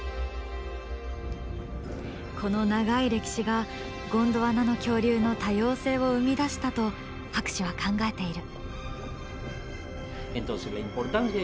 この長い歴史がゴンドワナの恐竜の多様性を生み出したと博士は考えている。